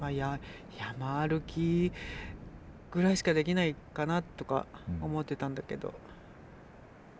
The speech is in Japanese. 山歩きぐらいしかできないかなとか思っていたんだけど。